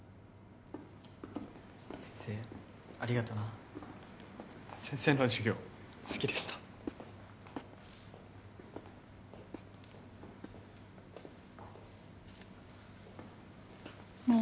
・先生ありがとな・先生の授業好きでしたねえ